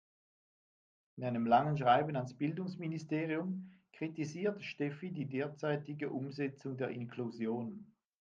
In einem langen Schreiben ans Bildungsministerium kritisiert Steffi die derzeitige Umsetzung der Inklusion.